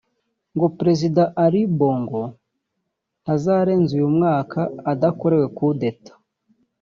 ngo Perezida Ali Bongo ntazarenza uyu mwaka adakorewe Coup d’Etat